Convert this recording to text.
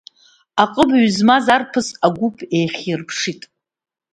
Аҟыбаҩ змаз арԥыс агәыԥ еихьирԥшит.